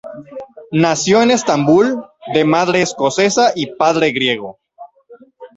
Nació en Estambul, de madre escocesa y padre griego.